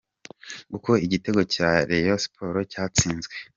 Uko igitego cya Reyo siporo cyatsinzwe.